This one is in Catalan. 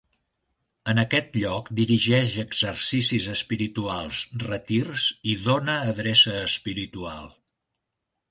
En aquest lloc dirigeix exercicis espirituals, retirs i dóna adreça espiritual.